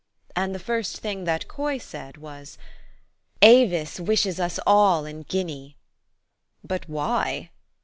And the first thing that Coy said was, " Avis wishes us all in Guinea. " But why?"